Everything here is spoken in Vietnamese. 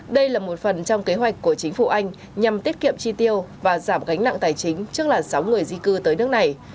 đây là một phần trong kế hoạch của chính phủ anh nhằm tiết kiệm chi tiêu và giảm gánh nặng tài chính trước là sáu người di cư tới nước này